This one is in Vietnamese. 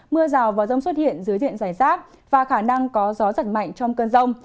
mưa rào và rông xuất hiện dưới diện giải rác và khả năng có gió giật mạnh trong cơn rông